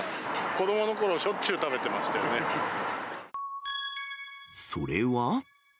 子どものころ、しょっちゅう食べそれは。